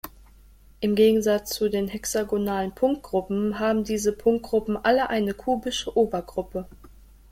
Im Gegensatz zu den hexagonalen Punktgruppen haben diese Punktgruppen alle eine kubische Obergruppe.